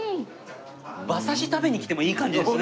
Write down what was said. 馬刺し食べに来てもいい感じですね